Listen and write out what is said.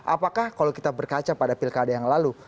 apakah kalau kita berkaca pada pilkada yang lalu